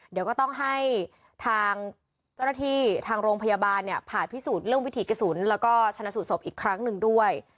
เดี๋ยวก็ต้องให้ทางเจ้าหน้าที่ทางโรงพยาบาลเนี่ยผ่าพิสูจน์เรื่องวิถีกระสุนแล้วก็ชนะสูตรศพอีกครั้งหนึ่งด้วย